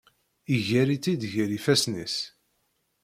Iger-itt-id gar ifasen-is.